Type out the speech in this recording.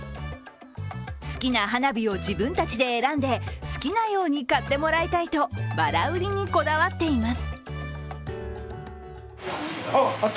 好きな花火を自分たちで選んで好きなように買ってもらいたいとバラ売りにこだわっています。